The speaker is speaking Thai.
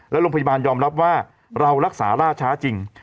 และโรงพยาบาลยอมรับว่าเรารักษาล่าช้าจริง